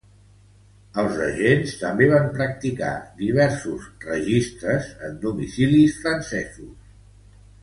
Els agents també van practicar diversos registres en domicilis francesos.